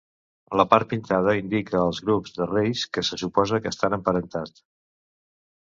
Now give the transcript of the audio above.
La part pintada indica els grups de reis que se suposa que estan emparentat.